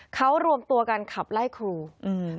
เขารวมตัวกันขับไล่ครูอืม